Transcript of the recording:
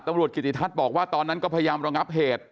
กิติทัศน์บอกว่าตอนนั้นก็พยายามระงับเหตุ